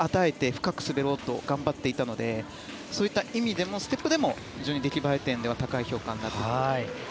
深く滑ろうと頑張っていたのでそういった意味でもステップでも非常に出来栄え点では高い評価になると思います。